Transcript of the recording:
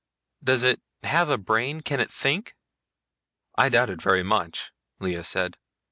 Does it have a brain can it think?" "I doubt it very much," Lea said.